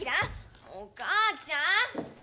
お母ちゃん！